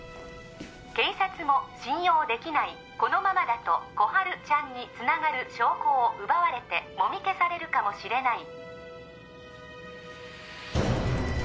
警察も信用できないこのままだと心春ちゃんにつながる証拠を奪われてもみ消されるかもしれない０８２５